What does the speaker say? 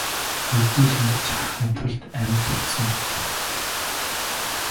Ердөө л ингэж харахын тулд амьд үлдсэн мэт.